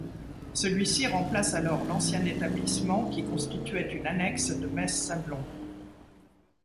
Celui-ci remplace alors l'ancien établissement, qui constituait une annexe de Metz-Sablon.